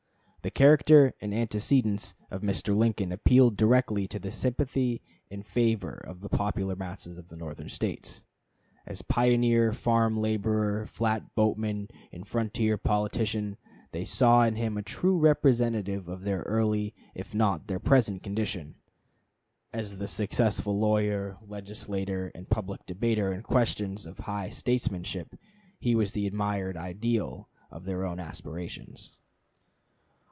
The character and antecedents of Mr. Lincoln appealed directly to the sympathy and favor of the popular masses of the Northern States. As pioneer, farm laborer, flat boatman, and frontier politician, they saw in him a true representative of their early if not their present condition. As the successful lawyer, legislator, and public debater in questions of high statesmanship, he was the admired ideal of their own aspirations.